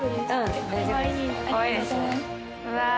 うわ。